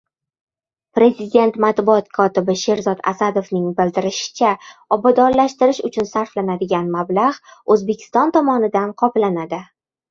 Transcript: Prezident matbuot kotibi Sherzod Asadovning bildirishicha, obodonlashtirish uchun sarflanadigan mablag‘ O‘zbekiston tomonidan qoplanadi.